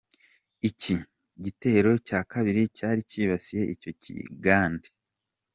Iki gitero cya Kabiri cyari kibasiye icyo kigande.